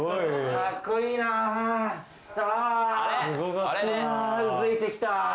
あぁうずいてきた。